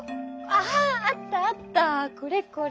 あああったあったこれこれ。